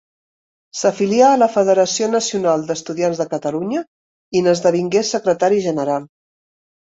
S'afilià a la Federació Nacional d'Estudiants de Catalunya i n'esdevingué secretari general.